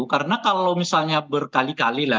karena kalau misalnya berkali kali